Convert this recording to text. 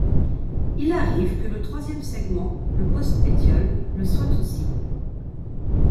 Il arrive que le troisième segment, le postpétiole, le soit aussi.